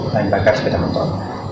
lain bakar sepeda motor